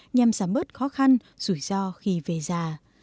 nhằm giảm bớt khó khăn rủi ro khi về già